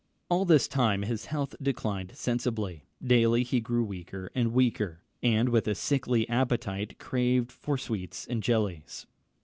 All this time his health declined sensibly. Daily he grew weaker and weaker; and with a sickly appetite craved for sweets and jellies.